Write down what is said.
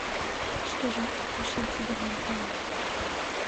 — Мый шкежат эше тидым ом пале...